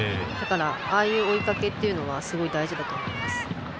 ああいう追いかけっていうのはすごい大事だと思います。